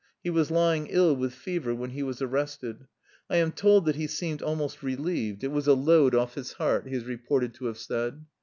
He was lying ill with fever when he was arrested. I am told that he seemed almost relieved; "it was a load off his heart," he is reported to have said.